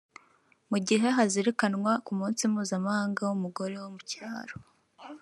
Mu gihe hazirikanwaga ku munsi mpuzamahanga w’umugore wo mu cyaro